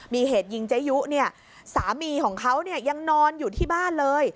มีเหตุยิงเจยุเนี่ยสามีของเขาเนี่ยยังนอนอยู่ที่บ้านเลย